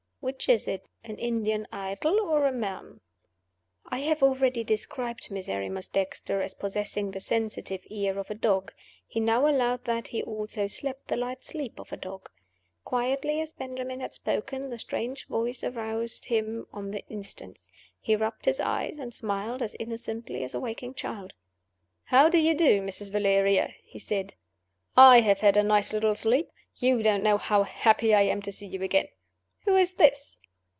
"Which is it an Indian idol, or a man?" I have already described Miserrimus Dexter as possessing the sensitive ear of a dog: he now allowed that he also slept the light sleep of a dog. Quietly as Benjamin had spoken, the strange voice aroused him on the instant. He rubbed his eyes, and smiled as innocently as a waking child. "How do you do, Mrs. Valeria?" he said. "I have had a nice little sleep. You don't know how happy I am to see you again. Who is this?"